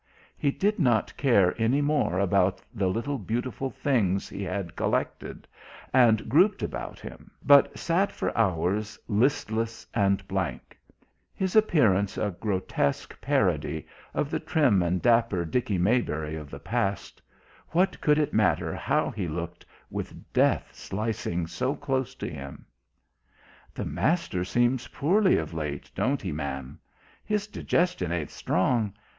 He did not care any more about the little beautiful things he had collected and grouped about him, but sat for hours listless and blank; his appearance a grotesque parody of the trim and dapper Dickie Maybury of the past what could it matter how he looked with death slicing so close to him? "The master seems poorly of late, don't he, ma'am? His digestion ain't strong.